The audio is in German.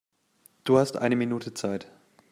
Du hast eine Minute Zeit.